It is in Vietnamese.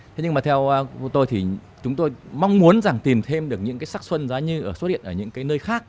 thế nhưng mà theo tôi thì chúng tôi mong muốn rằng tìm thêm được những cái sắc xuân giá như xuất hiện ở những cái nơi khác